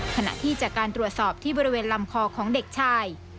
ขณะที่จากการตรวจสอบที่บริเวณลำคอของเด็กชาย